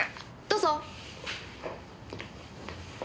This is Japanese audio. どうぞ。